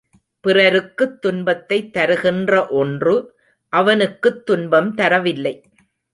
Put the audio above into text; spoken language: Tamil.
பிறருக்குத் துன்பத்தைத் தருகின்ற ஒன்று அவனுக்குத் துன்பம் தரவில்லை.